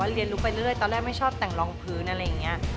เรียนรู้ไปเรื่อยตอนแรกไม่ชอบแต่งรองพื้นอะไรอย่างนี้